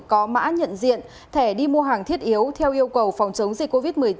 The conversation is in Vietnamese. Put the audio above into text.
có mã nhận diện thẻ đi mua hàng thiết yếu theo yêu cầu phòng chống dịch covid một mươi chín